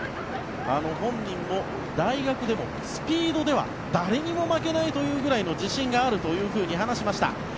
本人も大学でもスピードでは誰にも負けないというぐらい自信があると話しました。